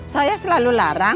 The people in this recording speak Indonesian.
saya selalu larang